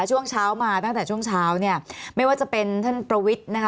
ช่วงเช้ามาตั้งแต่ช่วงเช้าเนี่ยไม่ว่าจะเป็นท่านประวิทย์นะคะ